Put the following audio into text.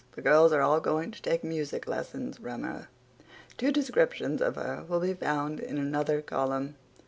The girls are all going to take music lessons from her. Two descriptions of her will be found in another column.